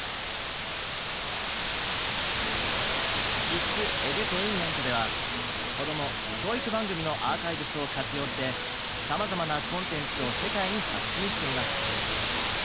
「ＫｉｄｓＥｄｕｔａｉｎｍｅｎｔ」ではこども・教育番組のアーカイブスを活用してさまざまなコンテンツを世界に発信しています。